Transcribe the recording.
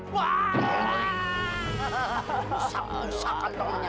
usah usah kandungnya